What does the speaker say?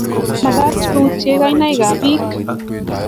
Magat koutye kainaikab biik